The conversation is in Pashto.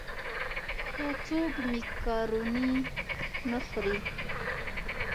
که څوک مېکاروني نه خوري.